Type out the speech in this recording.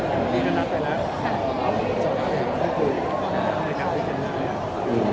กับรายการที่เก็บหน้าอย่างนี้